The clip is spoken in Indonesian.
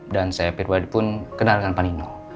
dan saya pirwadipun kenalkan panino